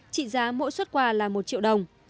trị giá mỗi suất quà là một triệu đồng